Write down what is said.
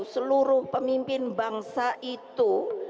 seluruh pemimpin bangsa itu